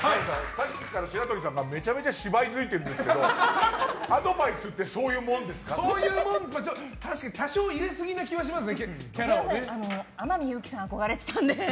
さっきから白鳥さんがめちゃめちゃ芝居づいているんですけどアドバイスって確かに多少入れすぎな気は天海祐希さん憧れていたので。